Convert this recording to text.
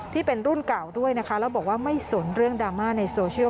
ที่เป็นรุ่นเก่าด้วยนะคะแล้วบอกว่าไม่สนเรื่องดราม่าในโซเชียล